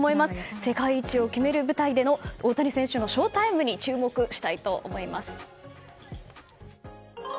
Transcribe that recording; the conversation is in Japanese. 世界一を決める舞台での大谷選手のショウタイムに注目したいと思います。